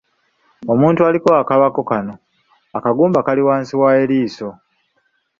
Omuntu aliko akabakko kano akagumba akali wansi w'eriiso.